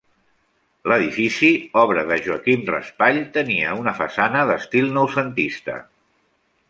L'edifici, obra de Joaquim Raspall, tenia una façana d'estil noucentista.